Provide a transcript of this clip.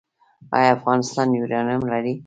آیا افغانستان یورانیم لري؟